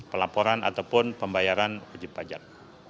pelaporan ataupun pembayaran wajib pajak